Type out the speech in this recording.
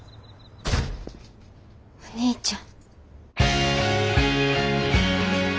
お兄ちゃん。